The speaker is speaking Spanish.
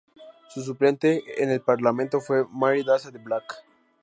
Su suplente en el parlamento fue Mary Daza de Block.